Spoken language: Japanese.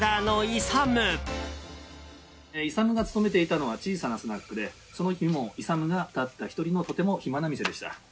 イサムが勤めていたのは小さなスナックでその日もイサムがたった１人のとても暇な店でした。